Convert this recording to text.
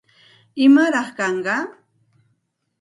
¿Imaraq kanqa?